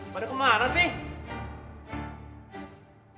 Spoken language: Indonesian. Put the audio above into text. pada kemana sih